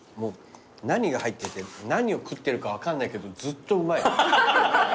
何が入ってて何を食ってるか分かんないけどずっとうまい。